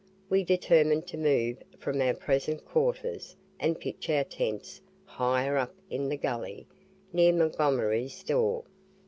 We determined to move from our present quarters, and pitch our tents higher up the gully, near Montgomery's store.